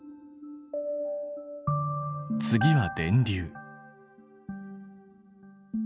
次は電流。